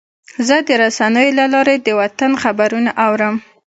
زه د رسنیو له لارې د وطن خبرونه اورم.